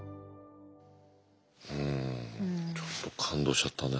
うんちょっと感動しちゃったな。